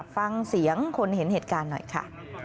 ฟังเสียงคนเห็นเหตุการณ์หน่อยค่ะ